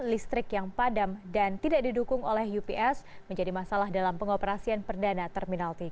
listrik yang padam dan tidak didukung oleh ups menjadi masalah dalam pengoperasian perdana terminal tiga